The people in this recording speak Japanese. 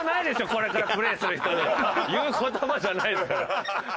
これからプレイする人に言う言葉じゃないですから。